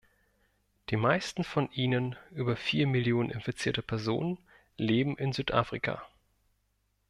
Die meisten von ihnen über vier Millionen infizierte Personen leben in Südafrika.